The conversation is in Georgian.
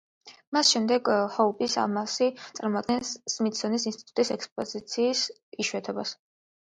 მას შემდეგ, ჰოუპის ალმასი წარმოადგენს სმითსონის ინსტიტუტის ექსპოზიციის იშვიათობას.